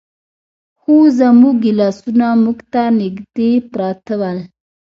خو زموږ ګیلاسونه موږ ته نږدې پراته ول.